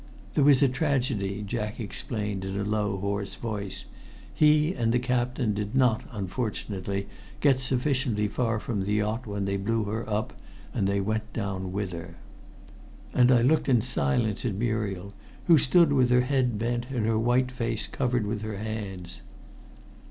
"There was a tragedy," Jack explained in a low, hoarse voice. "He and the captain did not, unfortunately, get sufficiently far from the yacht when they blew her up, and they went down with her." And I looked in silence at Muriel, who stood with her head bent and her white face covered with her hands.